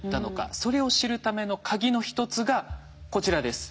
それを知るためのカギの一つがこちらです。